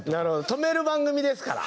止める番組ですから。